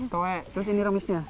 terus ini remisnya